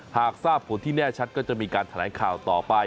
หากทราบผลที่แน่ชัดก็จะมีการแถลงข่าวต่อไป